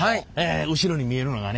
後ろに見えるのがね